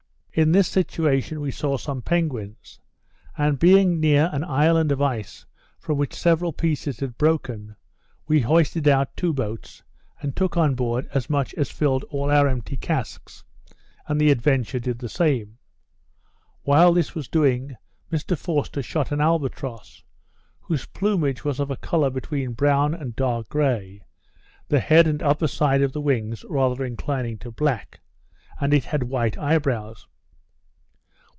In this situation we saw some penguins; and being near an island of ice from which several pieces had broken, we hoisted out two boats, and took on board as much as filled all our empty casks, and the Adventure did the same. While this was doing, Mr Forster shot an albatross, whose plumage was of a colour between brown and dark grey, the head and upper side of the wings rather inclining to black, and it had white eye brows.